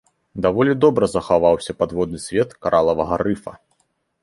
Даволі добра захаваўся падводны свет каралавага рыфа.